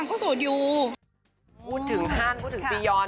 ณตอนนี้ก็คือแบบโอเคค่ะโอเคเรื่อย